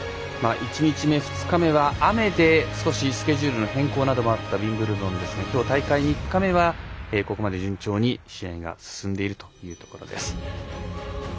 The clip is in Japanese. １日目、２日目は雨で少しスケジュールの変更などもあったウィンブルドンですがきょう大会３日目はここまで順調に試合が進んでいるということです。